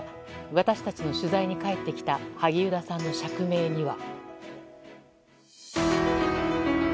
私たちの取材に返ってきた萩生田さんの釈明には。